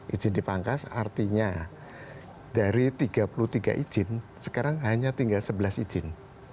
izin dipangkas artinya dari tiga puluh tiga izin sekarang hanya tinggal sebelas izin